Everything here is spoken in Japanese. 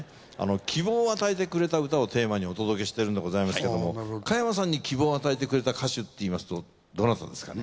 希望を与えてくれた歌をテーマにお届けしてるんでございますけども加山さんに希望を与えてくれた歌手っていいますとどなたですかね？